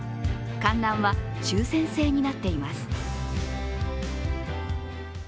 観覧は抽選制になっています。